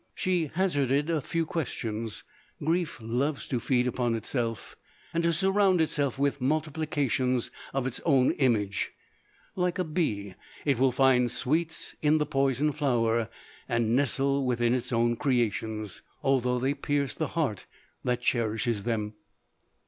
She hazarded a few questions. Grief loves to feed upon itself, and to surround itself with multiplications of its own image ; like a bee, it will find sweets in the poison flower, and nestle within its own creations, although they pierce the heart that cherishes them.